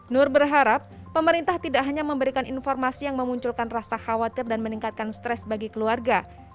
nur berharap pemerintah tidak hanya memberikan informasi yang memunculkan rasa khawatir dan meningkatkan stres bagi keluarga